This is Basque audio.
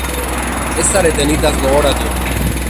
Ez zarete nitaz gogoratu.